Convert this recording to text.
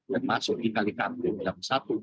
dan masuk di kalikantung jam satu empat puluh